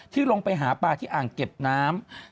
ลงไปหาปลาที่อ่างเก็บน้ำ